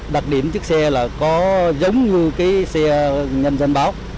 đặt đến chiếc xe có giống như xe nhân dân báo